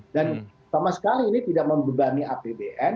dan sama sekali ini tidak membebani apbn